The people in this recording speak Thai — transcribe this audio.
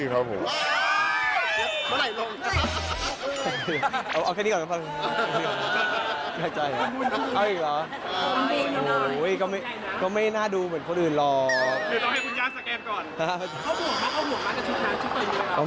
เขาห่วงมากกับชุดท้ายชุดตัวเนื้อครับ